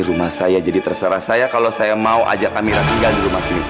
rumah saya jadi terserah saya kalau saya mau ajak kami tinggal di rumah sini